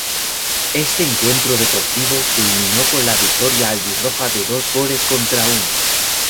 Este encuentro deportivo culminó con la victoria albirroja de dos goles contra uno.